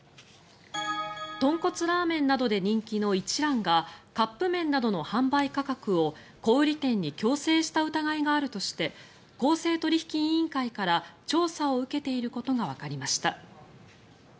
豚骨ラーメンなどで人気の一蘭がカップ麺などの販売価格を小売店に強制した疑いがあるとして公正取引委員会から調査を受けていることがわかりました。